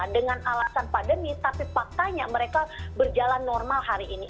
dengan alasan pandemi tapi faktanya mereka berjalan normal hari ini